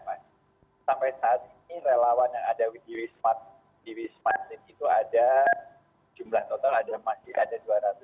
nah ini relawan yang ada di wisma atlet itu ada jumlah total ada masih ada dua ratus dua puluh